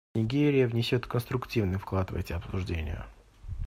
Нигерия внесет конструктивный вклад в эти обсуждения.